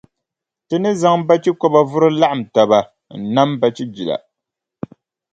Ti ni zaŋ bachikɔba vuri laɣim taba n-nam bachijila.